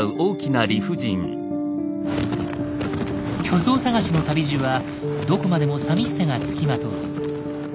巨像探しの旅路はどこまでもさみしさがつきまとう。